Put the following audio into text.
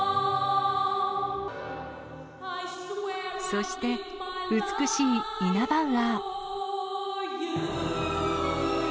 そして、美しいイナバウアー。